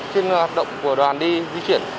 trên hoạt động của đoàn đi di chuyển